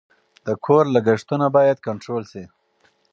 د کور لګښتونه باید کنټرول شي.